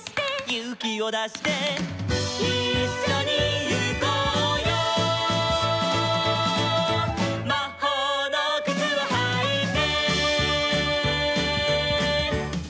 「ゆうきをだして」「いっしょにゆこうよ」「まほうのくつをはいて」